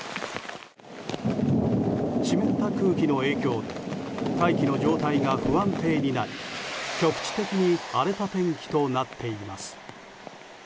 湿った空気の影響で大気の状態が不安定になり局地的に荒れた天気となっています。